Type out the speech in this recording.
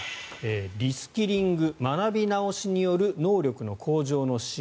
リスキリング、学び直しによる能力の向上の支援。